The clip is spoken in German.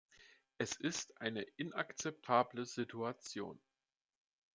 Es ist eine inakzeptable Situation.